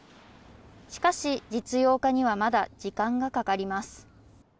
しかし実用化には、まだ時間がかかります。